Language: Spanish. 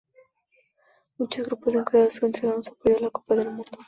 Muchos grupos en Corea del Sur entregaron su apoyo a la Copa del Mundo.